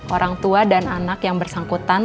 orang tua dan anak yang bersangkutan